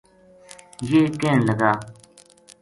یہ کہن لگا